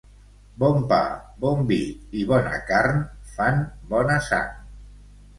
Bon pa, bon vi i bona carn fan bona sang.